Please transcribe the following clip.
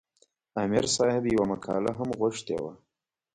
عامر صاحب یوه مقاله هم غوښتې وه.